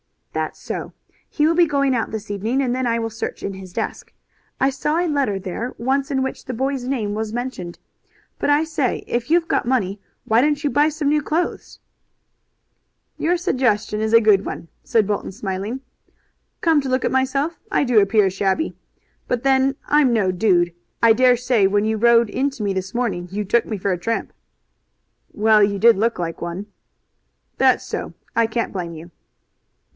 "That's so. He will be going out this evening, and then I will search in his desk. I saw a letter there once in which the boy's name was mentioned. But I say, if you've got money why don't you buy some new clothes?" "Your suggestion is a good one," said Bolton, smiling. "Come to look at myself I do appear shabby. But then I'm no dude. I dare say when you rode into me this morning you took me for a tramp." "Well, you did look like one." "That's so. I can't blame you."